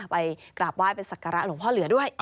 ไปกราบว่ายไปศักราหลวงพ่อเหลือด้วย